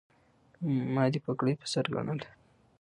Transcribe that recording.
ما دې پګړۍ په سر ګنله